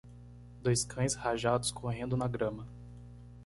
Dois cães rajados correndo na grama.